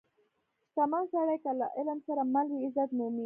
• شتمن سړی که له علم سره مل وي، عزت مومي.